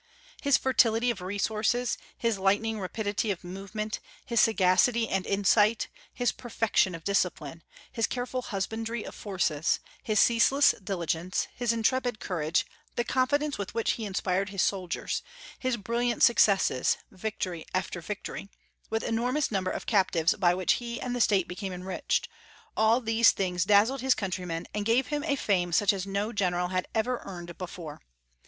His fertility of resources, his lightning rapidity of movement, his sagacity and insight, his perfection of discipline, his careful husbandry of forces, his ceaseless diligence, his intrepid courage, the confidence with which he inspired his soldiers, his brilliant successes (victory after victory), with the enormous number of captives by which he and the State became enriched, all these things dazzled his countrymen, and gave him a fame such as no general had ever earned before.